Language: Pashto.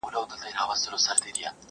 دردونه څنګه خطاباسې د ټکور تر کلي،